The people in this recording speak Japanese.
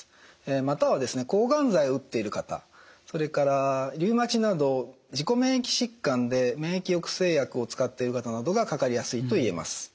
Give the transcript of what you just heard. またはですね抗がん剤を打っている方それからリウマチなど自己免疫疾患で免疫抑制薬を使っている方などがかかりやすいといえます。